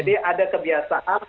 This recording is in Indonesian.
jadi ada kebiasaan